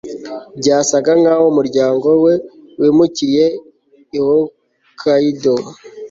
Byasaga nkaho umuryango we wimukiye i Hokkaido